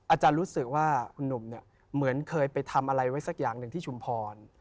อาจารย์รู้สึกว่าคุณหนุ่มเนี่ยเหมือนเคยไปทำอะไรไว้สักอย่างหนึ่งที่ชุมพร